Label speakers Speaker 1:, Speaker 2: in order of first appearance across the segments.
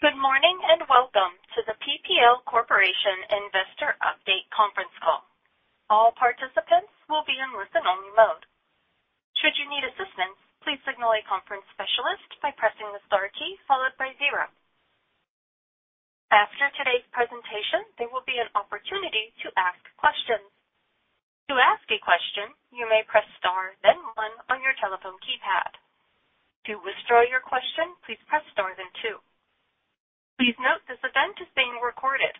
Speaker 1: Good morning. Welcome to the PPL Corporation Investor Update conference call. All participants will be in listen-only mode. Should you need assistance, please signal a conference specialist by pressing the star key followed by zero. After today's presentation, there will be an opportunity to ask questions. To ask a question, you may press star then one on your telephone keypad. To withdraw your question, please press star then two. Please note this event is being recorded.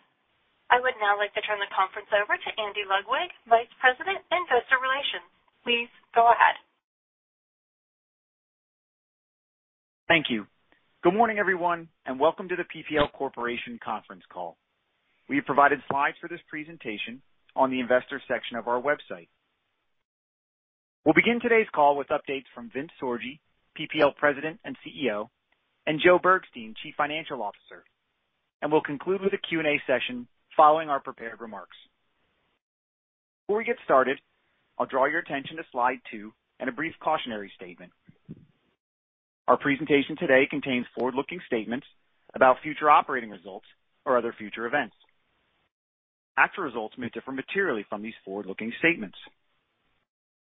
Speaker 1: I would now like to turn the conference over to Andy Ludwig, Vice President, Investor Relations. Please go ahead.
Speaker 2: Thank you. Good morning, everyone, welcome to the PPL Corporation conference call. We have provided slides for this presentation on the investor section of our website. We'll begin today's call with updates from Vince Sorgi, PPL President and CEO, Joe Bergstein, Chief Financial Officer, we'll conclude with a Q&A session following our prepared remarks. Before we get started, I'll draw your attention to slide two and a brief cautionary statement. Our presentation today contains forward-looking statements about future operating results or other future events. Actual results may differ materially from these forward-looking statements.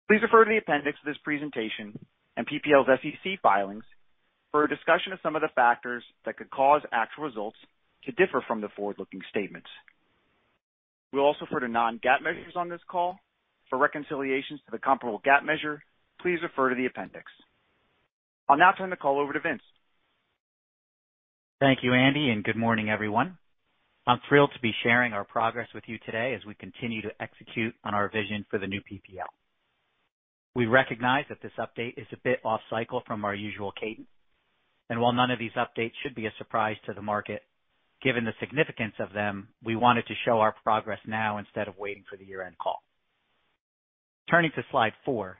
Speaker 2: Please refer to the appendix of this presentation and PPL's SEC filings for a discussion of some of the factors that could cause actual results to differ from the forward-looking statements. We'll also refer to Non-GAAP measures on this call. For reconciliations to the comparable GAAP measure, please refer to the appendix. I'll now turn the call over to Vince.
Speaker 3: Thank you, Andy. Good morning, everyone. I'm thrilled to be sharing our progress with you today as we continue to execute on our vision for the new PPL. We recognize that this update is a bit off cycle from our usual cadence. While none of these updates should be a surprise to the market, given the significance of them, we wanted to show our progress now instead of waiting for the year-end call. Turning to slide four.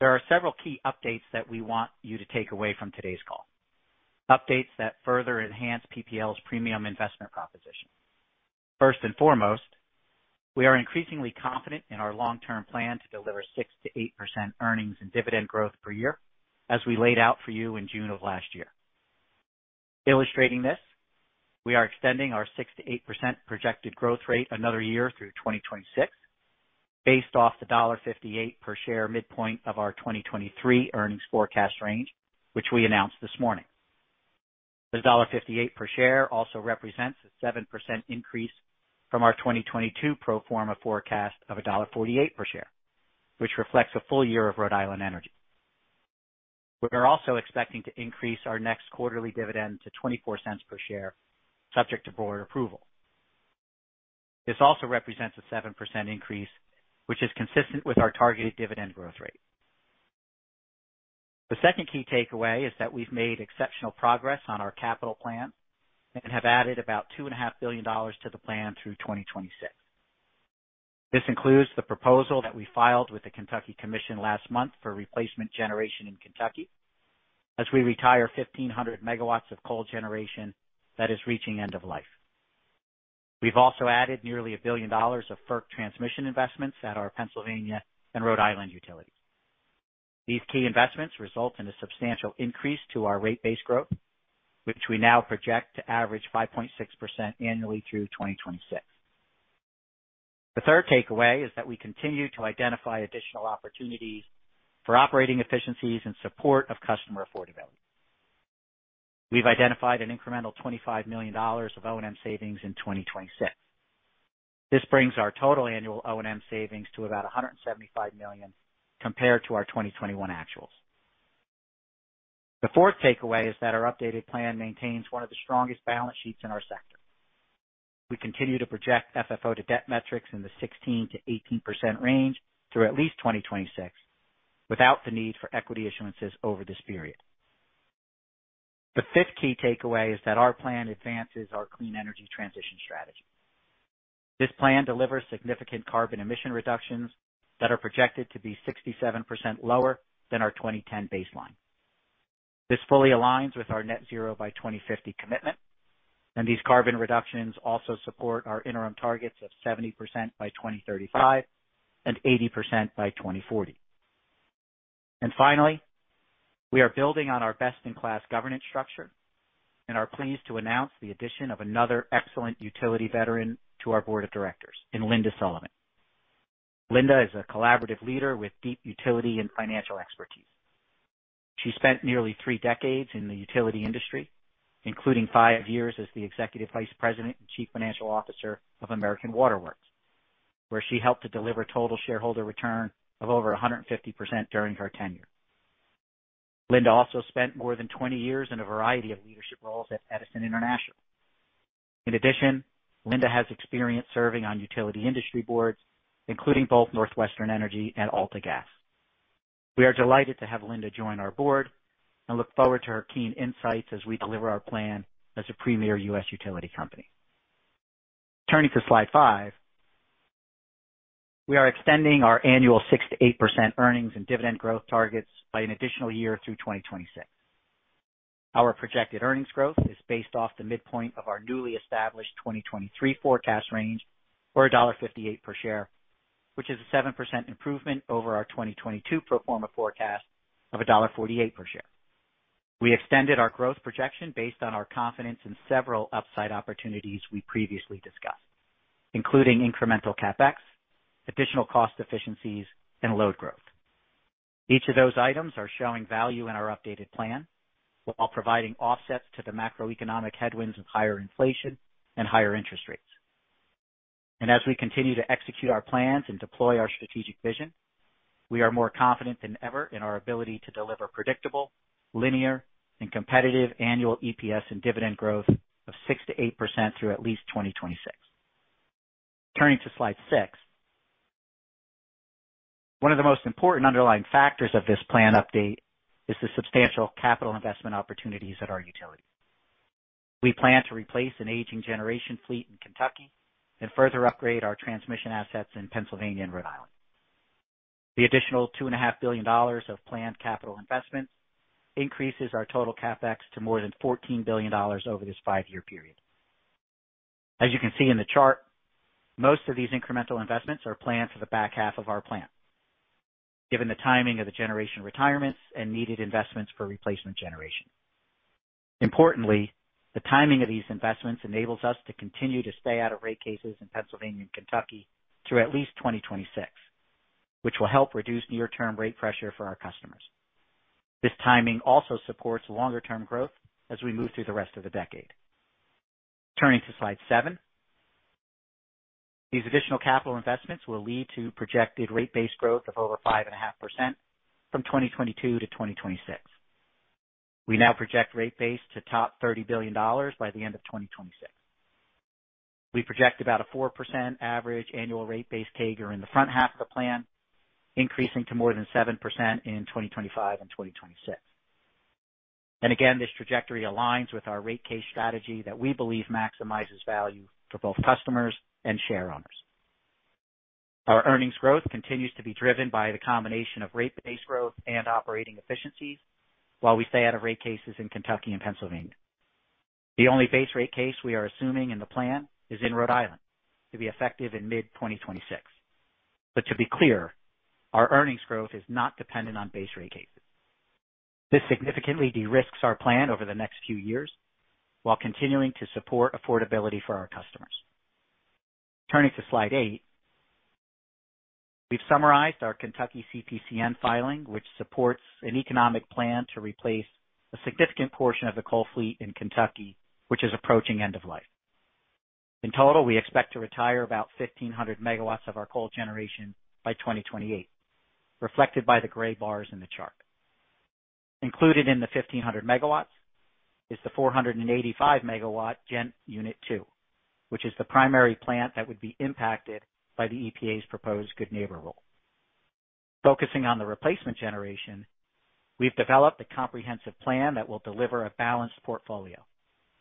Speaker 3: There are several key updates that we want you to take away from today's call. Updates that further enhance PPL's premium investment proposition. First and foremost, we are increasingly confident in our long-term plan to deliver 6%-8% earnings and dividend growth per year as we laid out for you in June of last year. Illustrating this, we are extending our 6%-8% projected growth rate another year through 2026 based off the $1.58 per share midpoint of our 2023 earnings forecast range, which we announced this morning. This $1.58 per share also represents a 7% increase from our 2022 pro forma forecast of a $1.48 per share, which reflects a full year of Rhode Island Energy. We are also expecting to increase our next quarterly dividend to $0.24 per share, subject to board approval. This also represents a 7% increase, which is consistent with our targeted dividend growth rate. The second key takeaway is that we've made exceptional progress on our capital plan and have added about $2.5 billion to the plan through 2026. This includes the proposal that we filed with the Kentucky Commission last month for replacement generation in Kentucky as we retire 1,500 MW of coal generation that is reaching end of life. We've also added nearly $1 billion of FERC transmission investments at our Pennsylvania and Rhode Island utilities. These key investments result in a substantial increase to our rate base growth, which we now project to average 5.6% annually through 2026. The third takeaway is that we continue to identify additional opportunities for operating efficiencies in support of customer affordability. We've identified an incremental $25 million of O&M savings in 2026. This brings our total annual O&M savings to about $175 million compared to our 2021 actuals. The fourth takeaway is that our updated plan maintains one of the strongest balance sheets in our sector. We continue to project FFO to debt metrics in the 16%-18% range through at least 2026 without the need for equity issuances over this period. The fifth key takeaway is that our plan advances our clean energy transition strategy. This plan delivers significant carbon emission reductions that are projected to be 67% lower than our 2010 baseline. This fully aligns with our net zero by 2050 commitment. These carbon reductions also support our interim targets of 70% by 2035 and 80% by 2040. Finally, we are building on our best-in-class governance structure and are pleased to announce the addition of another excellent utility veteran to our board of directors in Linda Sullivan. Linda is a collaborative leader with deep utility and financial expertise. She spent nearly three decades in the utility industry, including five years as the Executive Vice President and Chief Financial Officer of American Water Works, where she helped to deliver total shareholder return of over 150% during her tenure. Linda also spent more than 20 years in a variety of leadership roles at Edison International. In addition, Linda has experience serving on utility industry boards, including both NorthWestern Energy and AltaGas. We are delighted to have Linda join our board and look forward to her keen insights as we deliver our plan as a premier U.S. utility company. Turning to slide five. We are extending our annual 6%-8% earnings and dividend growth targets by an additional year through 2026. Our projected earnings growth is based off the midpoint of our newly established 2023 forecast range, or $1.58 per share, which is a 7% improvement over our 2022 pro forma forecast of $1.48 per share. We extended our growth projection based on our confidence in several upside opportunities we previously discussed, including incremental CapEx, additional cost efficiencies and load growth. Each of those items are showing value in our updated plan while providing offsets to the macroeconomic headwinds of higher inflation and higher interest rates. As we continue to execute our plans and deploy our strategic vision, we are more confident than ever in our ability to deliver predictable, linear and competitive annual EPS and dividend growth of 6%-8% through at least 2026. Turning to slide six. One of the most important underlying factors of this plan update is the substantial capital investment opportunities at our utility. We plan to replace an aging generation fleet in Kentucky and further upgrade our transmission assets in Pennsylvania and Rhode Island. The additional $2.5 billion of planned capital investments increases our total CapEx to more than $14 billion over this five-year period. As you can see in the chart, most of these incremental investments are planned for the back half of our plan, given the timing of the generation retirements and needed investments for replacement generation. Importantly, the timing of these investments enables us to continue to stay out of rate cases in Pennsylvania and Kentucky through at least 2026, which will help reduce near term rate pressure for our customers. This timing also supports longer term growth as we move through the rest of the decade. Turning to slide seven. These additional capital investments will lead to projected rate base growth of over 5.5% from 2022 to 2026. We now project rate base to top $30 billion by the end of 2026. We project about a 4% average annual rate base CAGR in the front half of the plan, increasing to more than 7% in 2025 and 2026. This trajectory aligns with our rate case strategy that we believe maximizes value for both customers and share owners. Our earnings growth continues to be driven by the combination of rate base growth and operating efficiencies while we stay out of rate cases in Kentucky and Pennsylvania. The only base rate case we are assuming in the plan is in Rhode Island to be effective in mid-2026. To be clear, our earnings growth is not dependent on base rate cases. This significantly de-risks our plan over the next few years while continuing to support affordability for our customers. Turning to slide eight. We've summarized our Kentucky CPCN filing, which supports an economic plan to replace a significant portion of the coal fleet in Kentucky, which is approaching end of life. In total, we expect to retire about 1,500 MW of our coal generation by 2028, reflected by the gray bars in the chart. Included in the 1,500 MW is the 485 MW Ghent Unit Two, which is the primary plant that would be impacted by the EPA's proposed Good Neighbor Plan. Focusing on the replacement generation, we've developed a comprehensive plan that will deliver a balanced portfolio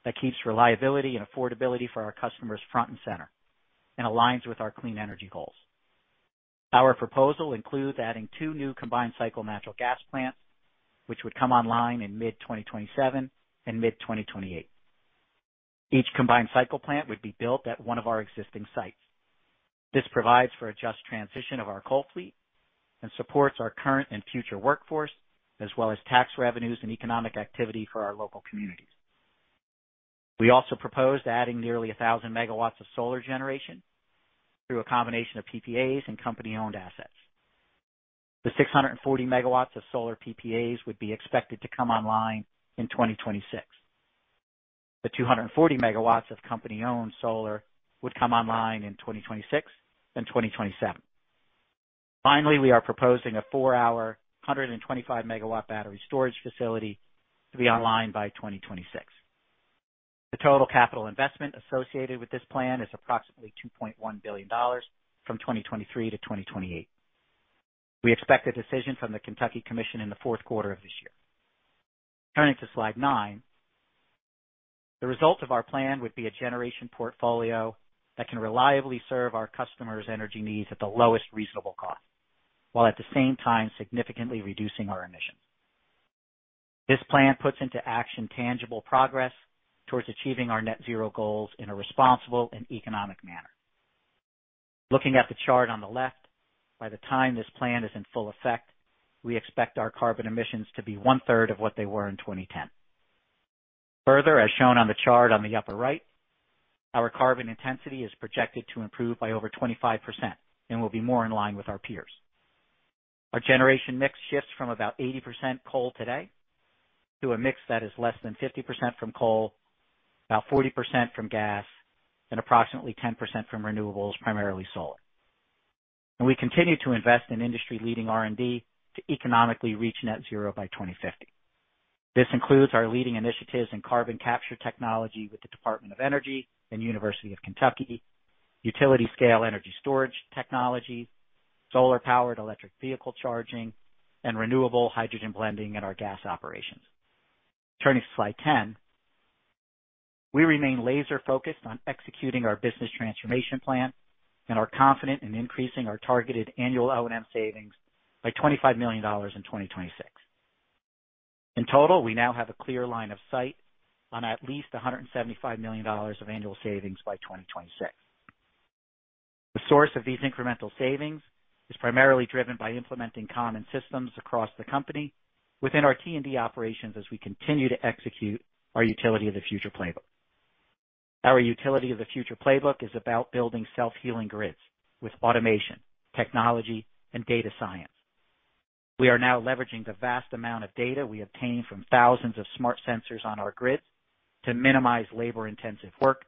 Speaker 3: that keeps reliability and affordability for our customers front and center, and aligns with our clean energy goals. Our proposal includes adding two new combined cycle natural gas plants, which would come online in mid 2027 and mid 2028. Each combined cycle plant would be built at one of our existing sites. This provides for a just transition of our coal fleet and supports our current and future workforce, as well as tax revenues and economic activity for our local communities. We also proposed adding nearly 1,000 MW of solar generation through a combination of PPAs and company-owned assets. The 640 MW of solar PPAs would be expected to come online in 2026. The 240 MW of company-owned solar would come online in 2026 and 2027. We are proposing a four-hour, 125 MW battery storage facility to be online by 2026. The total capital investment associated with this plan is approximately $2.1 billion from 2023-2028. We expect a decision from the Kentucky Commission in the fourth quarter of this year. Turning to slide nine. The result of our plan would be a generation portfolio that can reliably serve our customers' energy needs at the lowest reasonable cost, while at the same time significantly reducing our emissions. This plan puts into action tangible progress towards achieving our net zero goals in a responsible and economic manner. Looking at the chart on the left, by the time this plan is in full effect, we expect our carbon emissions to be one-third of what they were in 2010. Further, as shown on the chart on the upper right, our carbon intensity is projected to improve by over 25% and will be more in line with our peers. Our generation mix shifts from about 80% coal today to a mix that is less than 50% from coal, about 40% from gas, and approximately 10% from renewables, primarily solar. We continue to invest in industry-leading R&D to economically reach net zero by 2050. This includes our leading initiatives in carbon capture technology with the Department of Energy and University of Kentucky, utility scale energy storage technology, solar powered electric vehicle charging, and renewable hydrogen blending in our gas operations. Turning to slide 10. We remain laser-focused on executing our business transformation plan and are confident in increasing our targeted annual O&M savings by $25 million in 2026. In total, we now have a clear line of sight on at least $175 million of annual savings by 2026. The source of these incremental savings is primarily driven by implementing common systems across the company within our T&D operations as we continue to execute our Utility of the Future playbook. Our Utility of the Future playbook is about building self-healing grids with automation, technology and data science. We are now leveraging the vast amount of data we obtain from thousands of smart sensors on our grid to minimize labor-intensive work,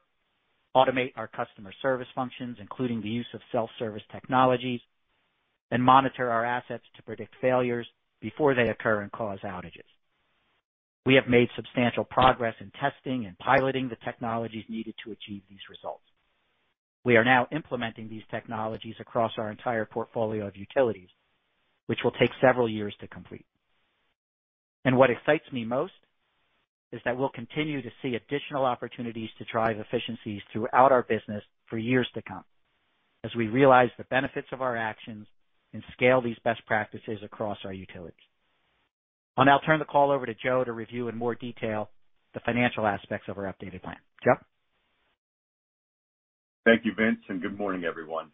Speaker 3: automate our customer service functions, including the use of self-service technologies, and monitor our assets to predict failures before they occur and cause outages. We have made substantial progress in testing and piloting the technologies needed to achieve these results. We are now implementing these technologies across our entire portfolio of utilities, which will take several years to complete. What excites me most is that we'll continue to see additional opportunities to drive efficiencies throughout our business for years to come as we realize the benefits of our actions and scale these best practices across our utilities. I'll now turn the call over to Joe to review in more detail the financial aspects of our updated plan. Joe?
Speaker 4: Thank you, Vince. Good morning, everyone.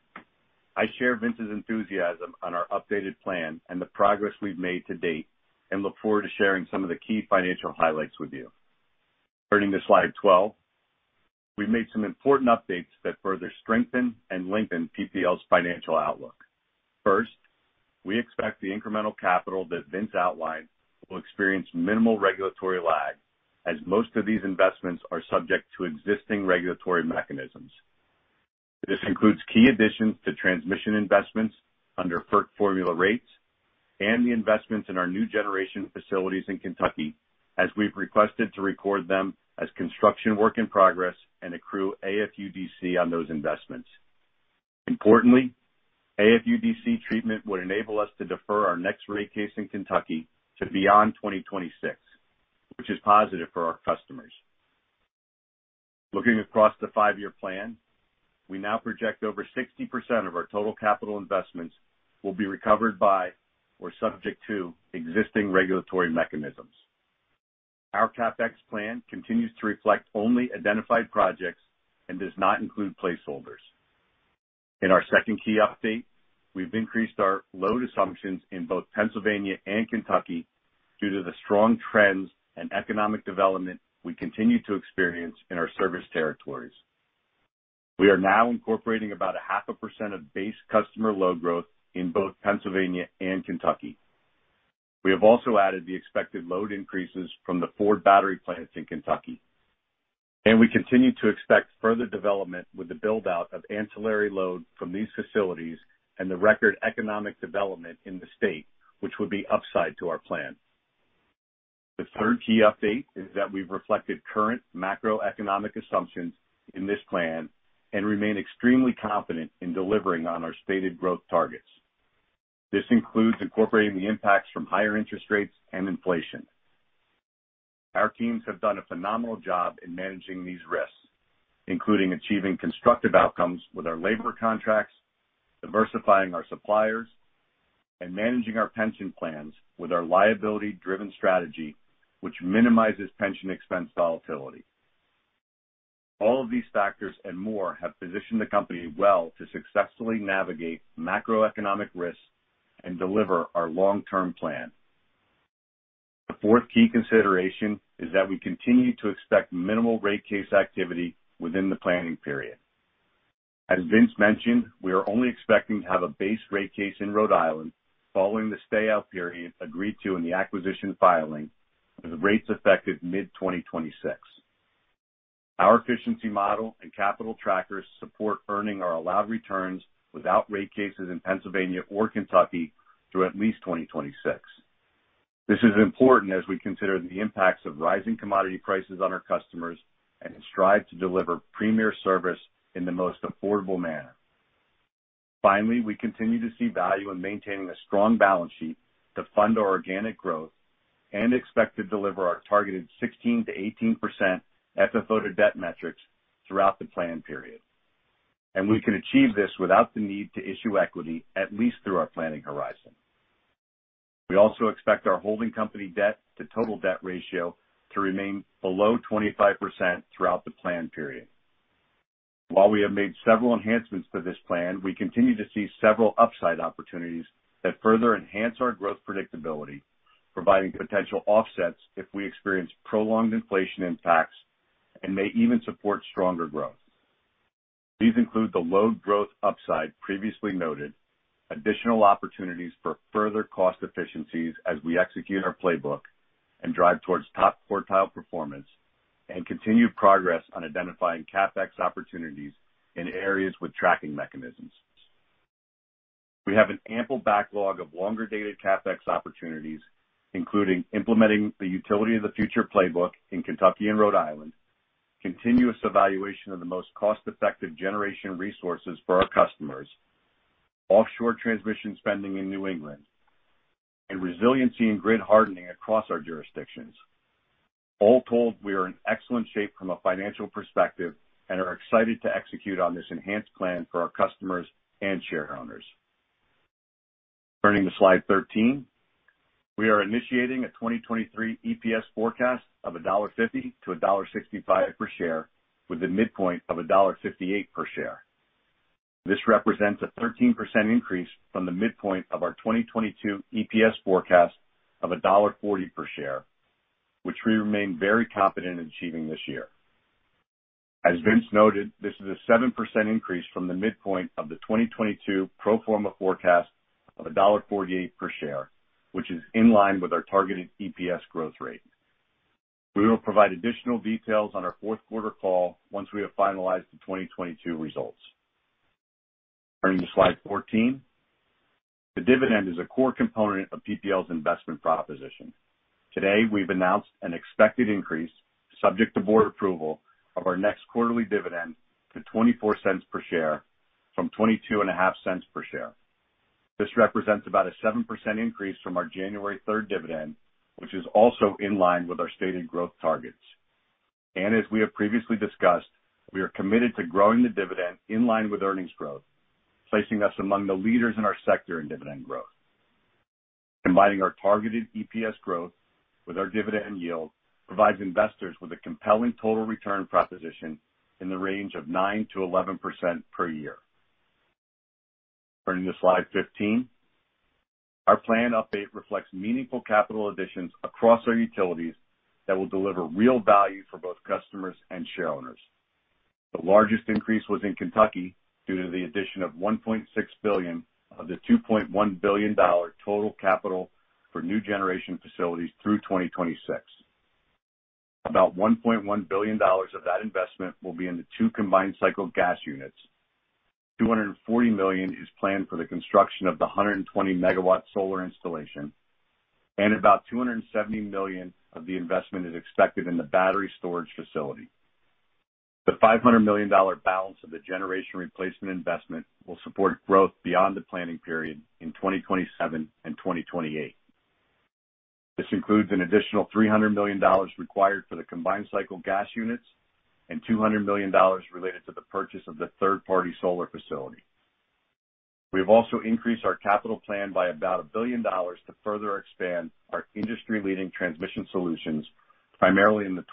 Speaker 4: I share Vince's enthusiasm on our updated plan and the progress we've made to date and look forward to sharing some of the key financial highlights with you. Turning to slide 12. We've made some important updates that further strengthen and lengthen PPL's financial outlook. First, we expect the incremental capital that Vince outlined will experience minimal regulatory lag as most of these investments are subject to existing regulatory mechanisms. This includes key additions to transmission investments under FERC formula rates and the investments in our new generation facilities in Kentucky as we've requested to record them as construction work in progress and accrue AFUDC on those investments. Importantly, AFUDC treatment would enable us to defer our next rate case in Kentucky to beyond 2026, which is positive for our customers. Looking across the five-year plan, we now project over 60% of our total capital investments will be recovered by or subject to existing regulatory mechanisms. Our CapEx plan continues to reflect only identified projects and does not include placeholders. In our second key update, we've increased our load assumptions in both Pennsylvania and Kentucky due to the strong trends and economic development we continue to experience in our service territories. We are now incorporating about a half a % of base customer load growth in both Pennsylvania and Kentucky. We have also added the expected load increases from the Ford battery plants in Kentucky. We continue to expect further development with the build-out of ancillary load from these facilities and the record economic development in the state, which would be upside to our plan. The third key update is that we've reflected current macroeconomic assumptions in this plan and remain extremely confident in delivering on our stated growth targets. This includes incorporating the impacts from higher interest rates and inflation. Our teams have done a phenomenal job in managing these risks, including achieving constructive outcomes with our labor contracts, diversifying our suppliers, and managing our pension plans with our liability-driven strategy, which minimizes pension expense volatility. All of these factors and more have positioned the company well to successfully navigate macroeconomic risks and deliver our long-term plan. The fourth key consideration is that we continue to expect minimal rate case activity within the planning period. As Vince mentioned, we are only expecting to have a base rate case in Rhode Island following the stay-out period agreed to in the acquisition filing with rates effective mid-2026. Our efficiency model and capital trackers support earning our allowed returns without rate cases in Pennsylvania or Kentucky through at least 2026. This is important as we consider the impacts of rising commodity prices on our customers and strive to deliver premier service in the most affordable manner. Finally, we continue to see value in maintaining a strong balance sheet to fund our organic growth and expect to deliver our targeted 16%-18% FFO to debt metrics throughout the plan period. We can achieve this without the need to issue equity at least through our planning horizon. We also expect our holding company debt to total debt ratio to remain below 25% throughout the plan period. While we have made several enhancements to this plan, we continue to see several upside opportunities that further enhance our growth predictability, providing potential offsets if we experience prolonged inflation impacts and may even support stronger growth. These include the load growth upside previously noted, additional opportunities for further cost efficiencies as we execute our playbook and drive towards top quartile performance, and continued progress on identifying CapEx opportunities in areas with tracking mechanisms. We have an ample backlog of longer-dated CapEx opportunities, including implementing the Utility of the Future playbook in Kentucky and Rhode Island, continuous evaluation of the most cost-effective generation resources for our customers, offshore transmission spending in New England, and resiliency and grid hardening across our jurisdictions. All told, we are in excellent shape from a financial perspective and are excited to execute on this enhanced plan for our customers and shareowners. Turning to slide 13. We are initiating a 2023 EPS forecast of $1.50-$1.65 per share with a midpoint of $1.58 per share. This represents a 13% increase from the midpoint of our 2022 EPS forecast of $1.40 per share, which we remain very confident in achieving this year. As Vince noted, this is a 7% increase from the midpoint of the 2022 pro forma forecast of $1.48 per share, which is in line with our targeted EPS growth rate. We will provide additional details on our fourth quarter call once we have finalized the 2022 results. Turning to slide 14. The dividend is a core component of PPL's investment proposition. Today, we've announced an expected increase, subject to board approval, of our next quarterly dividend to $0.24 per share from $0.225 per share. This represents about a 7% increase from our January 3rd dividend, which is also in line with our stated growth targets. As we have previously discussed, we are committed to growing the dividend in line with earnings growth, placing us among the leaders in our sector in dividend growth. Combining our targeted EPS growth with our dividend yield provides investors with a compelling total return proposition in the range of 9%-11% per year. Turning to slide 15. Our plan update reflects meaningful capital additions across our utilities that will deliver real value for both customers and shareowners. The largest increase was in Kentucky due to the addition of $1.6 billion of the $2.1 billion total capital for new generation facilities through 2026. About $1.1 billion of that investment will be in the two combined cycle gas units. $240 million is planned for the construction of the 120 MW solar installation, and about $270 million of the investment is expected in the battery storage facility. The $500 million balance of the generation replacement investment will support growth beyond the planning period in 2027 and 2028. This includes an additional $300 million required for the combined cycle gas units and $200 million related to the purchase of the third-party solar facility. We have also increased our capital plan by about $1 billion to further expand our industry-leading transmission solutions, primarily in the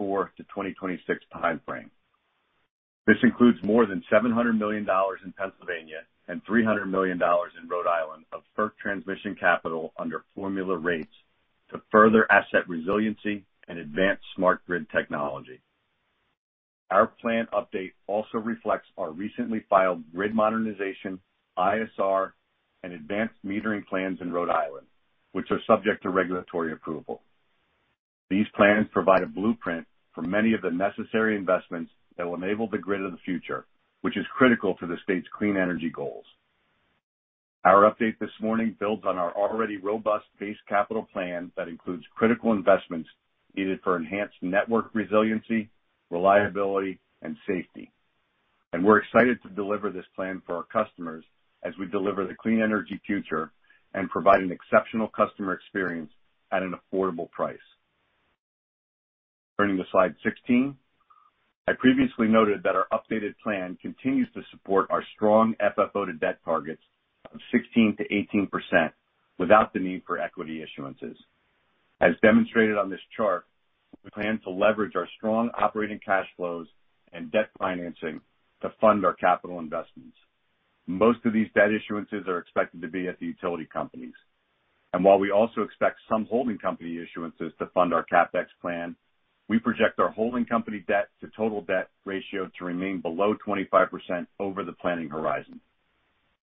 Speaker 4: 2024-2026 time frame. This includes more than $700 million in Pennsylvania and $300 million in Rhode Island of FERC transmission capital under formula rates to further asset resiliency and advance smart grid technology. Our plan update also reflects our recently filed grid modernization, ISR, and advanced metering plans in Rhode Island, which are subject to regulatory approval. These plans provide a blueprint for many of the necessary investments that will enable the grid of the future, which is critical to the state's clean energy goals. Our update this morning builds on our already robust base capital plan that includes critical investments needed for enhanced network resiliency, reliability, and safety. We're excited to deliver this plan for our customers as we deliver the clean energy future and provide an exceptional customer experience at an affordable price. Turning to slide 16. I previously noted that our updated plan continues to support our strong FFO to debt targets of 16%-18% without the need for equity issuances. As demonstrated on this chart, we plan to leverage our strong operating cash flows and debt financing to fund our capital investments. Most of these debt issuances are expected to be at the utility companies. While we also expect some holding company issuances to fund our CapEx plan, we project our holding company debt to total debt ratio to remain below 25% over the planning horizon.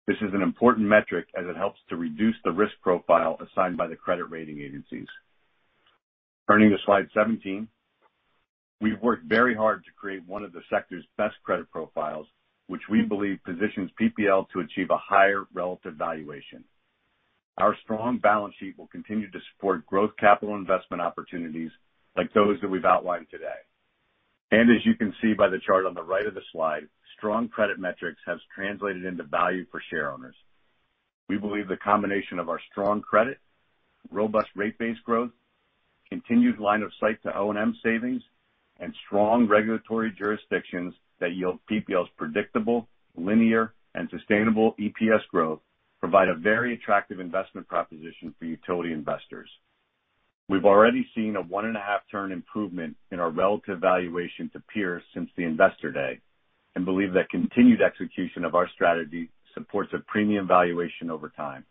Speaker 4: This is an important metric as it helps to reduce the risk profile assigned by the credit rating agencies. Turning to slide 17. We've worked very hard to create one of the sector's best credit profiles, which we believe positions PPL to achieve a higher relative valuation. Our strong balance sheet will continue to support growth capital investment opportunities like those that we've outlined today. As you can see by the chart on the right of the slide, strong credit metrics has translated into value for shareowners. We believe the combination of our strong credit, robust rate base growth, continued line of sight to O&M savings, and strong regulatory jurisdictions that yield PPL's predictable, linear, and sustainable EPS growth provide a very attractive investment proposition for utility investors. We've already seen a 1.5 turn improvement in our relative valuation to peers since the Investor Day and believe that continued execution of our strategy supports a premium valuation over time.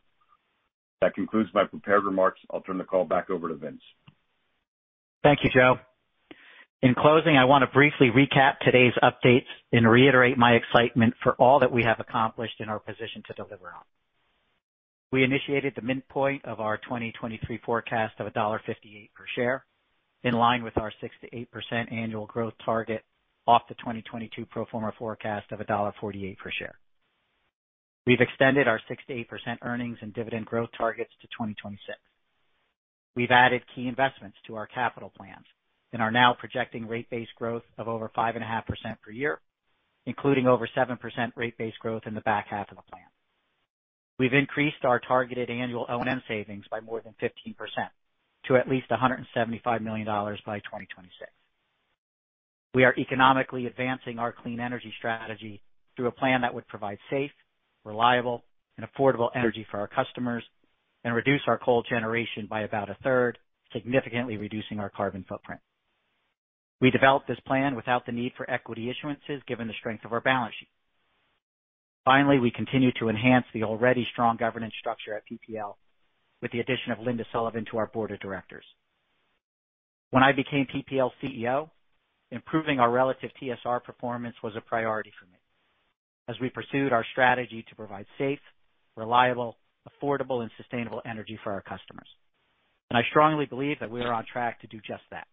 Speaker 4: That concludes my prepared remarks. I'll turn the call back over to Vince.
Speaker 3: Thank you, Joe. In closing, I want to briefly recap today's updates and reiterate my excitement for all that we have accomplished and are positioned to deliver on. We initiated the midpoint of our 2023 forecast of $1.58 per share, in line with our 6%-8% annual growth target off the 2022 pro forma forecast of $1.48 per share. We've extended our 6%-8% earnings and dividend growth targets to 2026. We've added key investments to our capital plans and are now projecting rate base growth of over 5.5% per year, including over 7% rate base growth in the back half of the plan. We've increased our targeted annual O&M savings by more than 15% to at least $175 million by 2026. We are economically advancing our clean energy strategy through a plan that would provide safe, reliable, and affordable energy for our customers and reduce our coal generation by about a third, significantly reducing our carbon footprint. We developed this plan without the need for equity issuances, given the strength of our balance sheet. Finally, we continue to enhance the already strong governance structure at PPL with the addition of Linda Sullivan to our board of directors. When I became PPL CEO, improving our relative TSR performance was a priority for me as we pursued our strategy to provide safe, reliable, affordable and sustainable energy for our customers. I strongly believe that we are on track to do just that.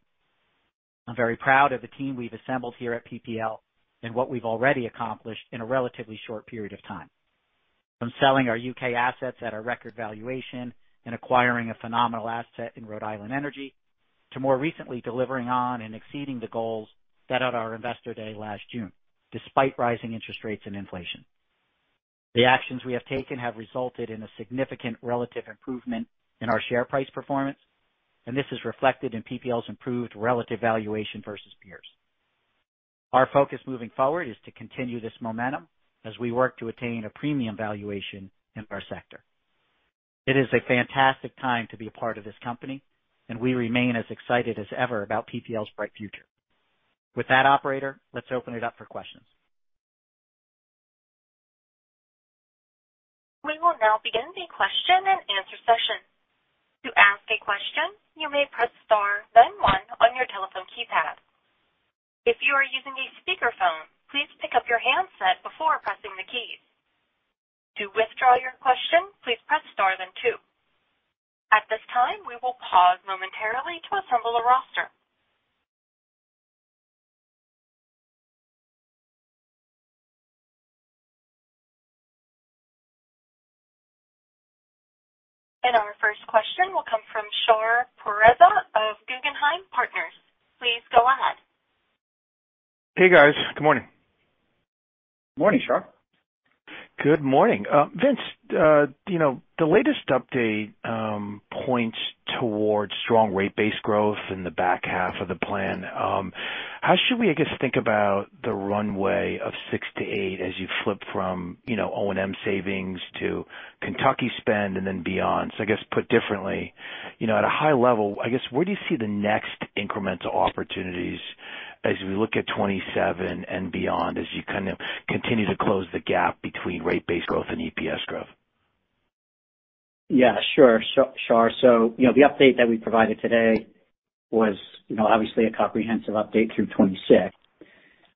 Speaker 3: I'm very proud of the team we've assembled here at PPL and what we've already accomplished in a relatively short period of time, from selling our U.K. assets at a record valuation and acquiring a phenomenal asset in Rhode Island Energy to more recently delivering on and exceeding the goals set at our investor day last June despite rising interest rates and inflation. The actions we have taken have resulted in a significant relative improvement in our share price performance, and this is reflected in PPL's improved relative valuation versus peers. Our focus moving forward is to continue this momentum as we work to attain a premium valuation in our sector. It is a fantastic time to be a part of this company, and we remain as excited as ever about PPL's bright future. With that, operator, let's open it up for questions.
Speaker 1: We will now begin the question and answer session. To ask a question, you may press star then one on your telephone keypad. If you are using a speakerphone, please pick up your handset before pressing the keys. To withdraw your question, please press star then two. At this time, we will pause momentarily to assemble a roster. Our first question will come from Shar Pourreza of Guggenheim Partners. Please go ahead.
Speaker 5: Hey, guys. Good morning.
Speaker 3: Morning, Shar.
Speaker 5: Good morning. Vince, you know, the latest update points towards strong rate-based growth in the back half of the plan. How should we, I guess, think about the runway of 6-8 as you flip from, you know, O&M savings to Kentucky spend and then beyond? I guess put differently, you know, at a high level, I guess, where do you see the next incremental opportunities as we look at 27 and beyond, as you kind of continue to close the gap between rate-based growth and EPS growth?
Speaker 3: Yeah, sure, Shar. You know, the update that we provided today was, you know, obviously a comprehensive update through 2026.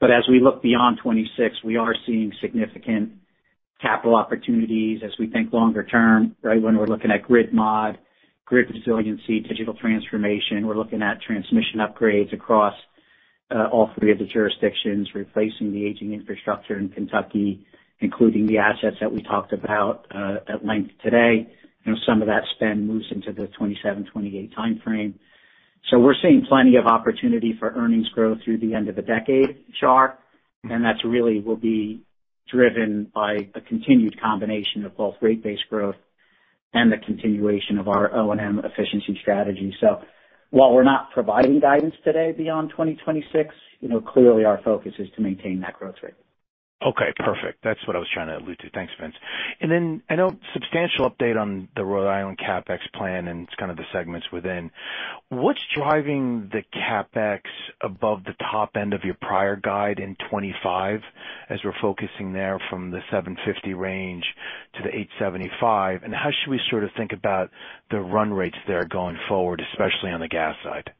Speaker 3: As we look beyond 2026, we are seeing significant capital opportunities as we think longer term, right? When we're looking at grid modernization, grid resiliency, digital transformation, we're looking at transmission upgrades across all three of the jurisdictions, replacing the aging infrastructure in Kentucky, including the assets that we talked about at length today. You know, some of that spend moves into the 2027, 2028 timeframe. We're seeing plenty of opportunity for earnings growth through the end of the decade, Shar. That's really will be driven by a continued combination of both rate-based growth and the continuation of our O&M efficiency strategy. While we're not providing guidance today beyond 2026, you know, clearly our focus is to maintain that growth rate.
Speaker 5: Okay, perfect. That's what I was trying to allude to. Thanks, Vince. I know substantial update on the Rhode Island CapEx plan, and it's kind of the segments within. What's driving the CapEx above the top end of your prior guide in 25, as we're focusing there from the $750 range to the $875? How should we sort of think about the run rates there going forward, especially on the gas side?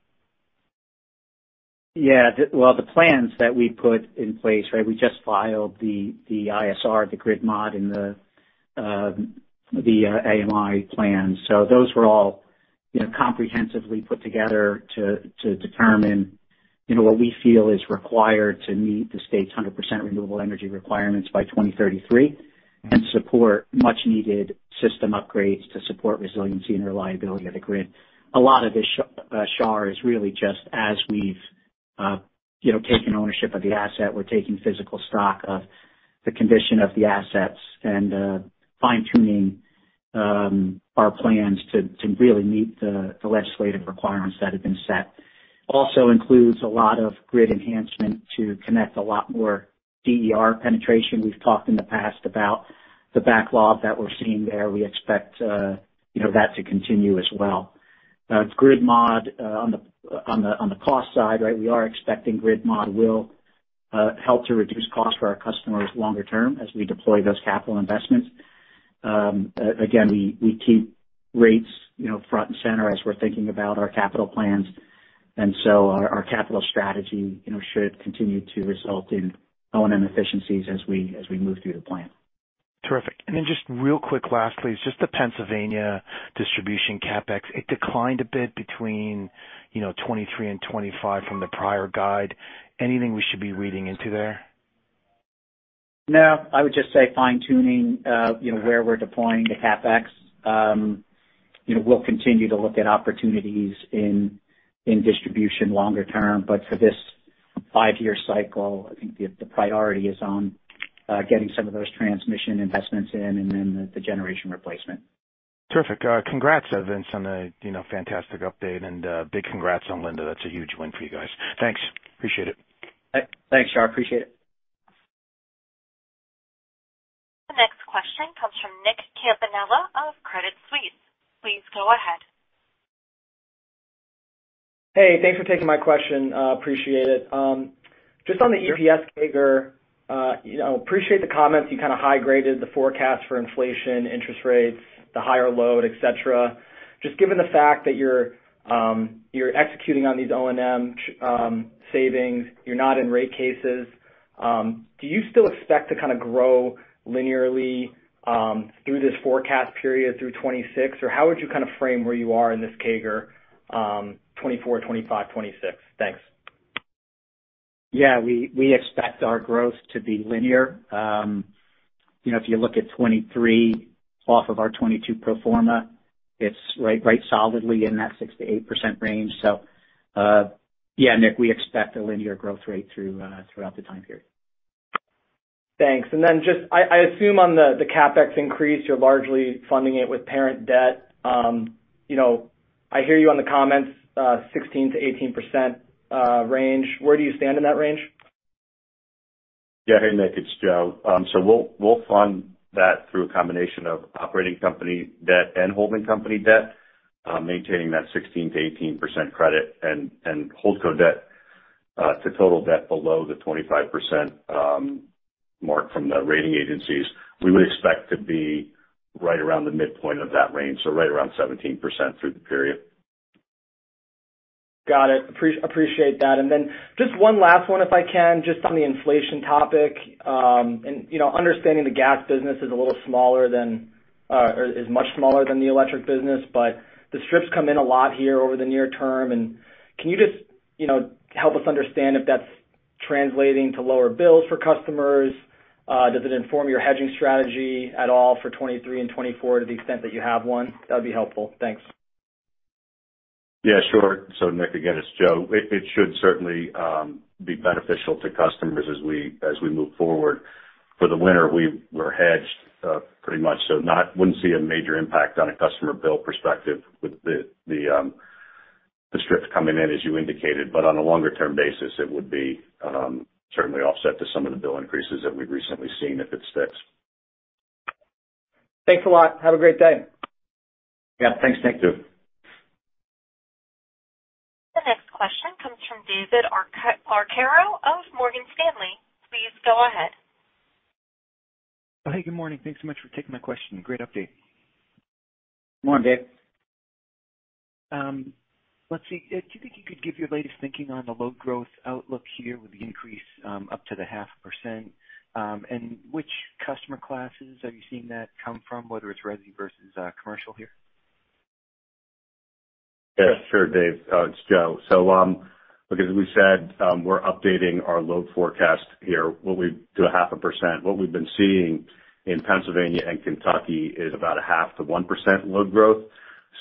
Speaker 3: Yeah. Well, the plans that we put in place, right? We just filed the ISR, the grid modernization and the AMI plan. Those were all, you know, comprehensively put together to determine, you know, what we feel is required to meet the state's 100% renewable energy requirements by 2033 and support much needed system upgrades to support resiliency and reliability of the grid. A lot of this, Shar, is really just as we've, you know, taken ownership of the asset, we're taking physical stock of the condition of the assets and fine-tuning our plans to really meet the legislative requirements that have been set. Also includes a lot of grid enhancement to connect a lot more DER penetration. We've talked in the past about the backlog that we're seeing there. We expect, you know, that to continue as well. Grid modernization on the cost side, right? We are expecting grid modernization will help to reduce costs for our customers longer term as we deploy those capital investments. Again, we keep rates, you know, front and center as we're thinking about our capital plans, our capital strategy, you know, should continue to result in O&M efficiencies as we move through the plan.
Speaker 5: Terrific. Then just real quick, lastly, just the Pennsylvania distribution CapEx, it declined a bit between, you know, 2023 and 2025 from the prior guide. Anything we should be reading into there?
Speaker 3: No, I would just say fine-tuning, you know, where we're deploying the CapEx. You know, we'll continue to look at opportunities in distribution longer term, but for this-Five year cycle. I think the priority is on getting some of those transmission investments in and then the generation replacement.
Speaker 5: Terrific. Congrats, Vince, on a, you know, fantastic update and big congrats on Linda. That's a huge win for you guys. Thanks. Appreciate it.
Speaker 3: Thanks, Shar. Appreciate it.
Speaker 1: The next question comes from Nicholas Campanella of Credit Suisse. Please go ahead.
Speaker 6: Hey, thanks for taking my question. Appreciate it. Just on the EPS CAGR, you know, appreciate the comments. You kind of high-graded the forecast for inflation, interest rates, the higher load, etc. Just given the fact that you're executing on these O&M savings, you're not in rate cases, do you still expect to kind of grow linearly through this forecast period through 2026, or how would you kind of frame where you are in this CAGR, 2024, 2025, 2026? Thanks.
Speaker 3: Yeah, we expect our growth to be linear. you know, if you look at 2023 off of our 2022 pro forma, it's solidly in that 6%-8% range. Yeah, Nick, we expect a linear growth rate throughout the time period.
Speaker 6: Thanks. Just I assume on the CapEx increase, you're largely funding it with parent debt. You know, I hear you on the comments, 16%-18% range. Where do you stand in that range?
Speaker 4: Yeah. Hey, Nick, it's Joe. We'll fund that through a combination of operating company debt and holding company debt, maintaining that 16%-18% credit and holdco debt to total debt below the 25% mark from the rating agencies. We would expect to be right around the midpoint of that range, so right around 17% through the period.
Speaker 6: Got it. Appreciate that. Just one last one, if I can, just on the inflation topic, you know, understanding the gas business is a little smaller than, or is much smaller than the electric business, the strips come in a lot here over the near term. Can you just, you know, help us understand if that's translating to lower bills for customers? Does it inform your hedging strategy at all for 23 and 24 to the extent that you have one? That would be helpful. Thanks.
Speaker 4: Yeah, sure. Nick, again, it's Joe. It should certainly be beneficial to customers as we move forward. For the winter, we're hedged pretty much, wouldn't see a major impact on a customer bill perspective with the strips coming in, as you indicated. On a longer term basis, it would be certainly offset to some of the bill increases that we've recently seen if it sticks.
Speaker 6: Thanks a lot. Have a great day.
Speaker 4: Yeah. Thanks, Nick. You too.
Speaker 1: The next question comes from David Arcaro of Morgan Stanley. Please go ahead.
Speaker 7: Oh, hey. Good morning. Thanks so much for taking my question. Great update.
Speaker 3: Good morning, Dave.
Speaker 7: Let's see. Do you think you could give your latest thinking on the load growth outlook here with the increase, up to the 0.5%, and which customer classes are you seeing that come from, whether it's resi versus commercial here?
Speaker 4: Yeah, sure, Dave. It's Joe. Look, as we said, we're updating our load forecast here. To a 0.5%. What we've been seeing in Pennsylvania and Kentucky is about a 0.5%-1% load growth.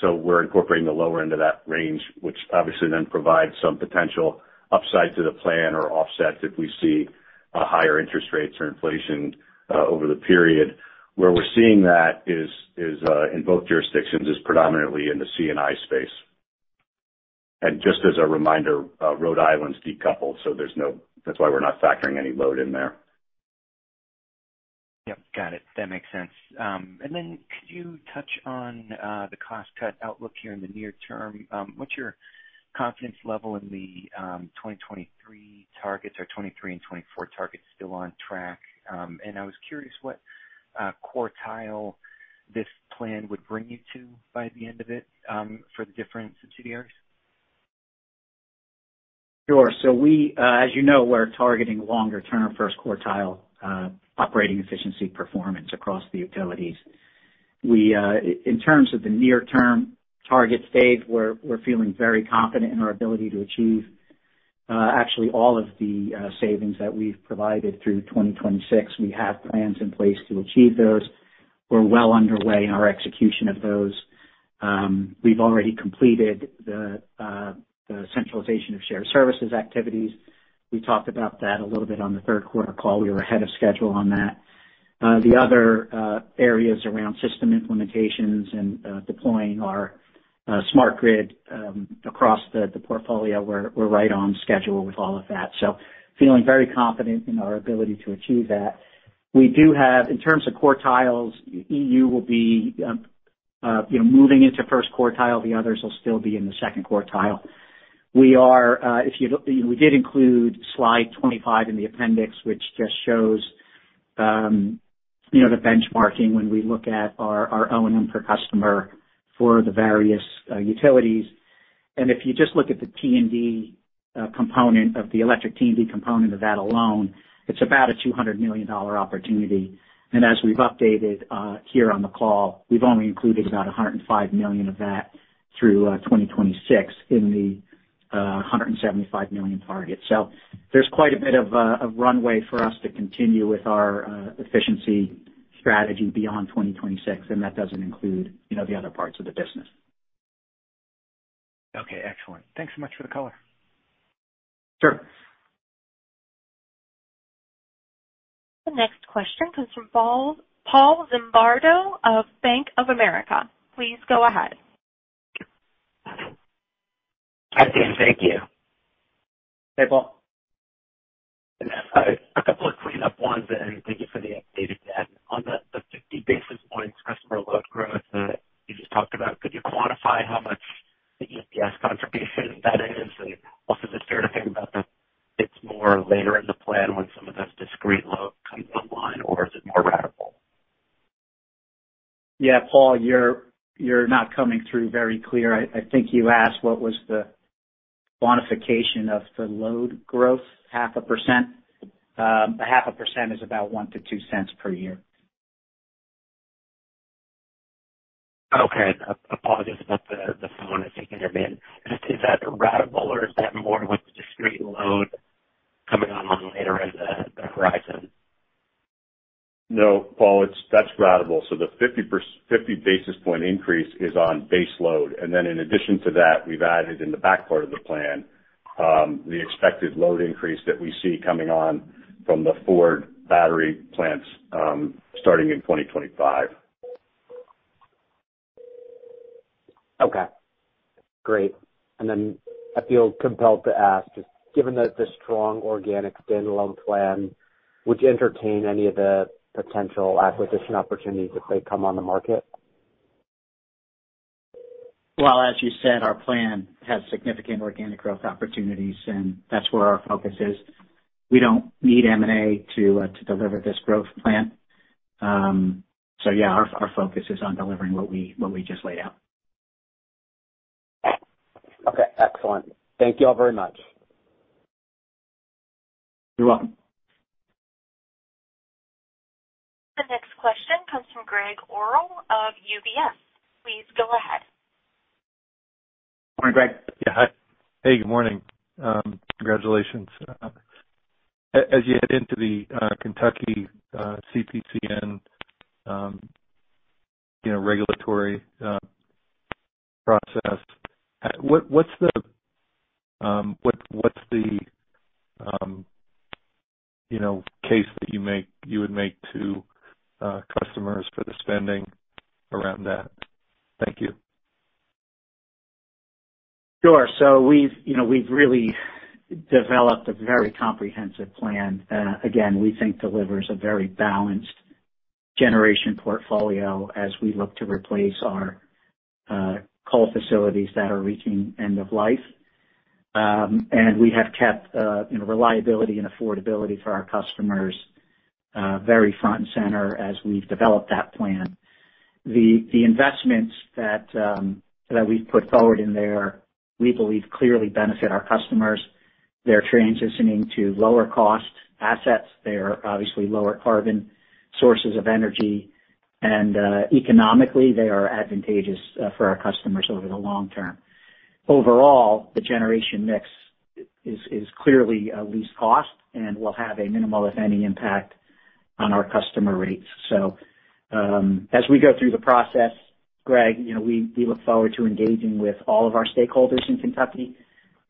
Speaker 4: We're incorporating the lower end of that range, which obviously then provides some potential upside to the plan or offset if we see a higher interest rates or inflation over the period. Where we're seeing that is in both jurisdictions is predominantly in the C&I space. Just as a reminder, Rhode Island's decoupled, so there's no-- that's why we're not factoring any load in there.
Speaker 7: Yep. Got it. That makes sense. Could you touch on the cost cut outlook here in the near term? What's your confidence level in the 2023 targets or 2023 and 2024 targets still on track? I was curious what quartile this plan would bring you to by the end of it for the different subsidiaries.
Speaker 3: Sure. We, as you know, we're targeting longer term first quartile operating efficiency performance across the utilities. We, in terms of the near term target, Dave, we're feeling very confident in our ability to achieve actually all of the savings that we've provided through 2026. We have plans in place to achieve those. We're well underway in our execution of those. We've already completed the centralization of shared services activities. We talked about that a little bit on the third quarter call. We were ahead of schedule on that. The other areas around system implementations and deploying our smart grid across the portfolio, we're right on schedule with all of that. Feeling very confident in our ability to achieve that. We do have, in terms of quartiles, EUI will be, you know, moving into first quartile. The others will still be in the second quartile. We are, we did include slide 25 in the appendix, which just shows, you know, the benchmarking when we look at our O&M per customer for the various utilities. If you just look at the T&D, the electric T&D component of that alone, it's about a $200 million opportunity. As we've updated here on the call, we've only included about $105 million of that through 2026 in the $175 million target. There's quite a bit of runway for us to continue with our efficiency strategy beyond 2026. That doesn't include, you know, the other parts of the business.
Speaker 7: Okay, excellent. Thanks so much for the color.
Speaker 3: Sure.
Speaker 1: The next question comes from Paul Zimbardo of Bank of America. Please go ahead.
Speaker 8: Hi Dan. Thank you.
Speaker 3: Hey, Paul.
Speaker 8: A couple of cleanup ones. Thank you for the update again. On the 50 basis points customer load growth that you just talked about, could you quantify how much the EPS contribution that is? Also, is it fair to think about that it's more later in the plan when some of this discrete load comes online, or is it more ratable?
Speaker 3: Yeah, Paul, you're not coming through very clear. I think you asked what was the quantification of the load growth, 0.5%? 0.5% is about $0.01-$0.02 per year.
Speaker 8: Okay. Apologies about the phone. I think intermittent. Is that ratable or is that more with the discrete load coming on later in the horizon?
Speaker 4: That's ratable. The 50 basis point increase is on base load. In addition to that, we've added in the back part of the plan, the expected load increase that we see coming on from the Ford battery plants, starting in 2025.
Speaker 8: Okay, great. I feel compelled to ask, just given the strong organic standalone plan, would you entertain any of the potential acquisition opportunities if they come on the market?
Speaker 3: Well, as you said, our plan has significant organic growth opportunities, and that's where our focus is. We don't need M&A to deliver this growth plan. Yeah, our focus is on delivering what we just laid out.
Speaker 8: Okay, excellent. Thank you all very much.
Speaker 3: You're welcome.
Speaker 1: The next question comes from Gregg Orrill of UBS. Please go ahead.
Speaker 3: Morning, Greg.
Speaker 9: Yeah. Hi. Hey, good morning. Congratulations. As you head into the Kentucky CPCN, you know, regulatory process, what's the, you know, case that you would make to customers for the spending around that? Thank you.
Speaker 3: Sure. We've, you know, we've really developed a very comprehensive plan. Again, we think delivers a very balanced generation portfolio as we look to replace our coal facilities that are reaching end of life. We have kept, you know, reliability and affordability for our customers, very front and center as we've developed that plan. The investments that we've put forward in there, we believe clearly benefit our customers. They're transitioning to lower cost assets. They are obviously lower carbon sources of energy. Economically, they are advantageous for our customers over the long term. Overall, the generation mix is clearly least cost and will have a minimal, if any, impact on our customer rates. As we go through the process, Gregg, you know, we look forward to engaging with all of our stakeholders in Kentucky,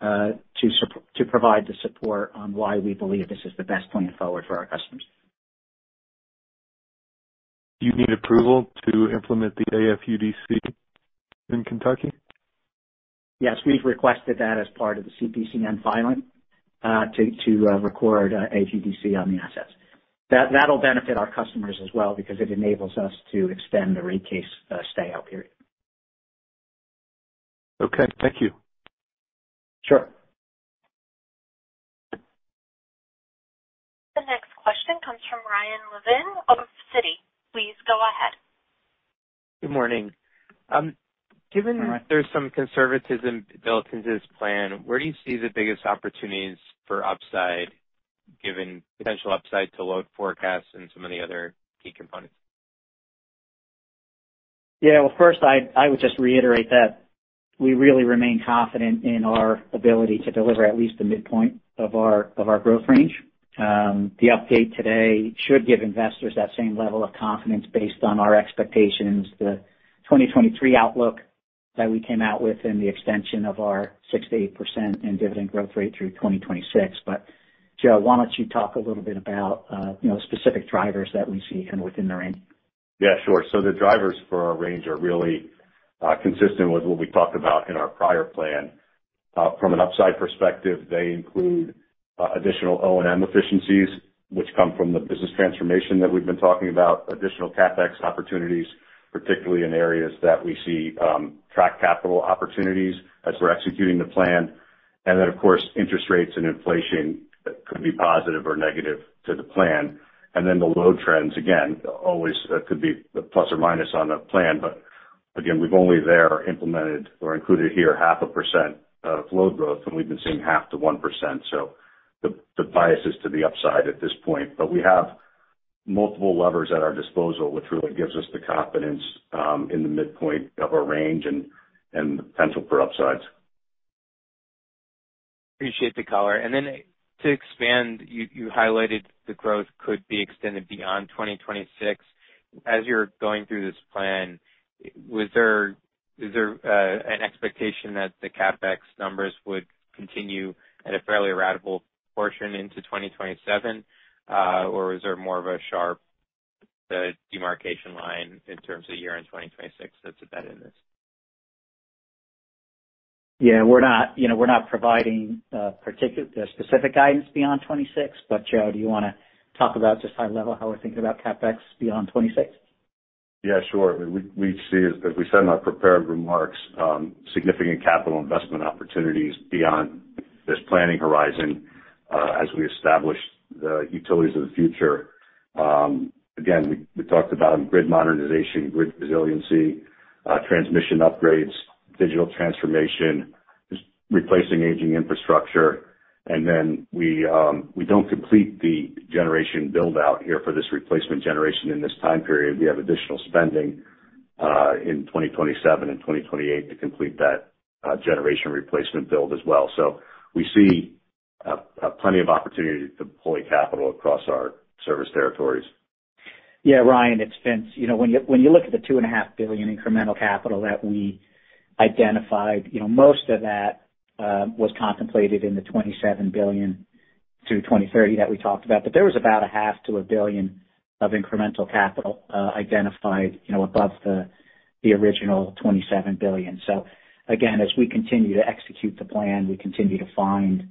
Speaker 3: to provide the support on why we believe this is the best plan forward for our customers.
Speaker 9: Do you need approval to implement the AFUDC in Kentucky?
Speaker 3: Yes, we've requested that as part of the CPCN filing, to record AFUDC on the assets. That'll benefit our customers as well because it enables us to extend the rate case stay out period.
Speaker 9: Okay, thank you.
Speaker 3: Sure.
Speaker 1: The next question comes from Ryan Levine of Citi. Please go ahead.
Speaker 10: Good morning.
Speaker 3: Hi, Ryan.
Speaker 10: Given there's some conservatism built into this plan, where do you see the biggest opportunities for upside, given potential upside to load forecasts and some of the other key components?
Speaker 3: Well, first I would just reiterate that we really remain confident in our ability to deliver at least the midpoint of our growth range. The update today should give investors that same level of confidence based on our expectations, the 2023 outlook that we came out with and the extension of our 6%-8% in dividend growth rate through 2026. Joe, why don't you talk a little bit about, you know, specific drivers that we see within the range?
Speaker 4: Yeah, sure. The drivers for our range are really consistent with what we talked about in our prior plan. From an upside perspective, they include additional O&M efficiencies, which come from the business transformation that we've been talking about, additional CapEx opportunities, particularly in areas that we see track capital opportunities as we're executing the plan. Of course, interest rates and inflation could be positive or negative to the plan. The load trends again, always could be the plus or minus on the plan. Again, we've only there implemented or included here 0.5% of load growth, and we've been seeing 0.5%-1%. The bias is to the upside at this point. We have multiple levers at our disposal, which really gives us the confidence, in the midpoint of our range and the potential for upsides.
Speaker 10: Appreciate the color. To expand, you highlighted the growth could be extended beyond 2026. As you're going through this plan, is there an expectation that the CapEx numbers would continue at a fairly ratable portion into 2027? Or is there more of a sharp demarcation line in terms of year-end 2026 that's embedded in this?
Speaker 3: Yeah, we're not, you know, we're not providing specific guidance beyond 26. Joe, do you wanna talk about just high level, how we're thinking about CapEx beyond 26?
Speaker 4: Yeah, sure. We see, as we said in our prepared remarks, significant capital investment opportunities beyond this planning horizon, as we establish the Utility of the Future. Again, we talked about grid modernization, grid resiliency, transmission upgrades, digital transformation, just replacing aging infrastructure. Then we don't complete the generation build-out here for this replacement generation in this time period. We have additional spending in 2027 and 2028 to complete that generation replacement build as well. We see plenty of opportunity to deploy capital across our service territories.
Speaker 3: Yeah. Ryan, it's Vince. You know, when you look at the $2.5 billion incremental capital that we identified, you know, most of that was contemplated in the $27 billion through 2030 that we talked about. There was about a $0.5 billion-$1 billion of incremental capital identified, you know, above the original $27 billion. Again, as we continue to execute the plan, we continue to find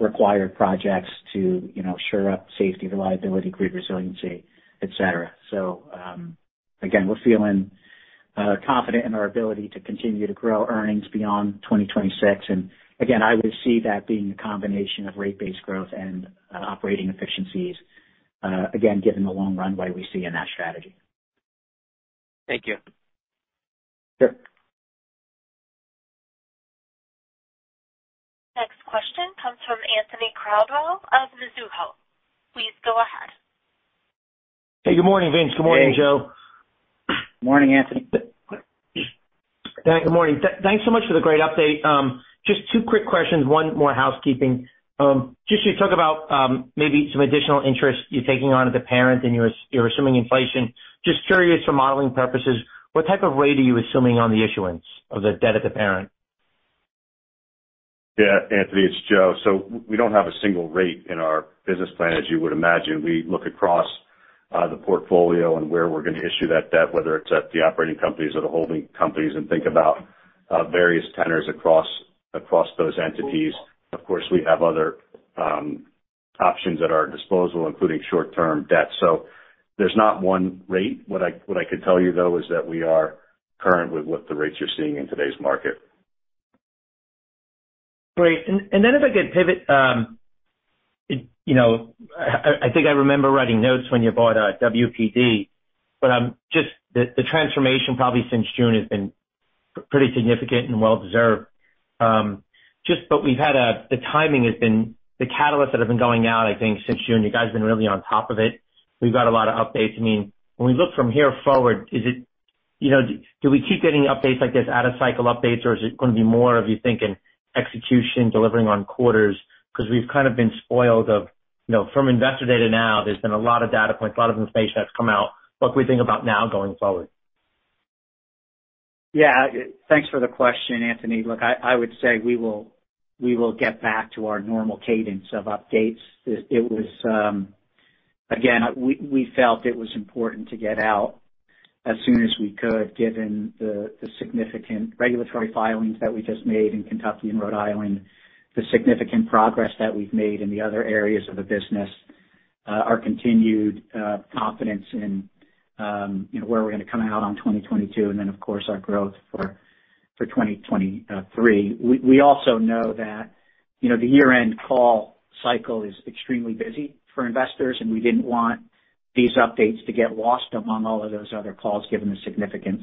Speaker 3: required projects to, you know, sure up safety, reliability, grid resiliency, et cetera. Again, we're feeling confident in our ability to continue to grow earnings beyond 2026. Again, I would see that being a combination of rate-based growth and operating efficiencies, again, given the long runway we see in that strategy.
Speaker 10: Thank you.
Speaker 3: Sure.
Speaker 1: Next question comes from Anthony Crowdell of Mizuho. Please go ahead.
Speaker 11: Hey, good morning, Vince. Good morning, Joe.
Speaker 3: Morning, Anthony.
Speaker 11: Yeah. Good morning. Thanks so much for the great update. Just two quick questions, one more housekeeping. Just you talk about maybe some additional interest you're taking on at the parent and you're assuming inflation. Just curious for modeling purposes, what type of rate are you assuming on the issuance of the debt at the parent?
Speaker 4: Yeah, Anthony, it's Joe. We don't have a single rate in our business plan. As you would imagine, we look across the portfolio and where we're gonna issue that debt, whether it's at the operating companies or the holding companies, and think about various tenors across those entities. Of course, we have other options at our disposal, including short-term debt. There's not one rate. What I could tell you though, is that we are current with what the rates you're seeing in today's market.
Speaker 11: Great. If I could pivot, it, you know, I think I remember writing notes when you bought WPD, but I'm just the transformation probably since June has been pretty significant and well deserved. Just we've had the timing has been the catalyst that has been going out, I think, since June. You guys have been really on top of it. We've got a lot of updates. I mean, when we look from here forward, is it, you know, do we keep getting updates like this out of cycle updates, or is it gonna be more of you thinking execution, delivering on quarters? 'Cause we've kind of been spoiled of, you know, from investor data now, there's been a lot of data points, a lot of information that's come out. What can we think about now going forward?
Speaker 3: Yeah. Thanks for the question, Anthony. Look, I would say we will get back to our normal cadence of updates. It was, again, we felt it was important to get out as soon as we could, given the significant regulatory filings that we just made in Kentucky and Rhode Island, the significant progress that we've made in the other areas of the business, our continued confidence in, you know, where we're gonna come out on 2022, and then of course, our growth for 2023. We also know that, you know, the year-end call cycle is extremely busy for investors, and we didn't want these updates to get lost among all of those other calls, given the significance.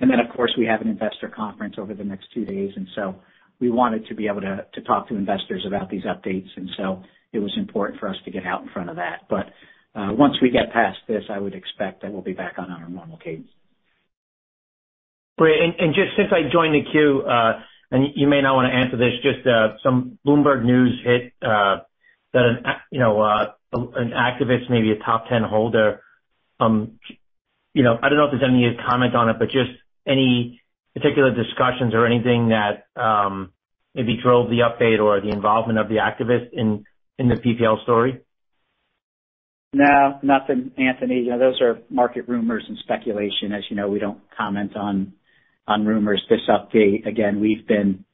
Speaker 3: Then of course, we have an investor conference over the next two days, and so we wanted to be able to talk to investors about these updates, and so it was important for us to get out in front of that. Once we get past this, I would expect that we'll be back on our normal cadence.
Speaker 11: Great. Just since I joined the queue, you may not wanna answer this, just some Bloomberg news hit, that you know, an activist, maybe a top 10 holder, you know, I don't know if there's any comment on it, but just any particular discussions or anything that maybe drove the update or the involvement of the activists in the PPL story?
Speaker 3: No, nothing, Anthony. You know, those are market rumors and speculation. As you know, we don't comment on rumors. This update, again, we've been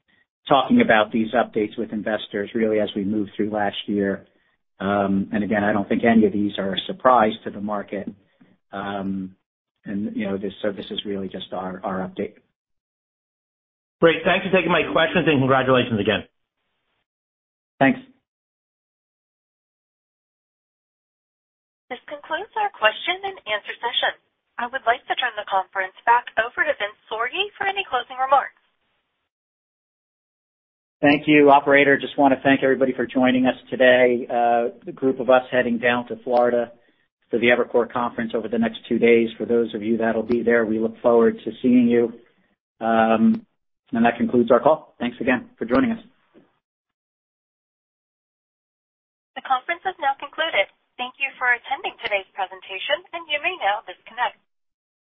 Speaker 3: talking about these updates with investors really as we moved through last year. Again, I don't think any of these are a surprise to the market. You know, this is really just our update.
Speaker 11: Great. Thanks for taking my questions and congratulations again.
Speaker 3: Thanks.
Speaker 1: This concludes our question-and-answer session. I would like to turn the conference back over to Vince Sorgi for any closing remarks.
Speaker 3: Thank you, operator. Just wanna thank everybody for joining us today. The group of us heading down to Florida for the Evercore conference over the next two days. For those of you that'll be there, we look forward to seeing you. That concludes our call. Thanks again for joining us.
Speaker 1: The conference has now concluded. Thank you for attending today's presentation. You may now disconnect.